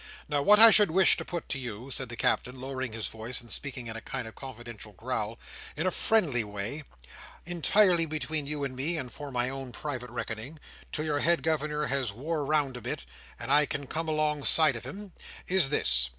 Now what I should wish to put to you," said the Captain, lowering his voice, and speaking in a kind of confidential growl, "in a friendly way, entirely between you and me, and for my own private reckoning, "till your head Governor has wore round a bit, and I can come alongside of him, is this.